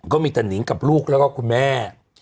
ก็มีแต่นิงกับลูกแล้วก็คุณแม่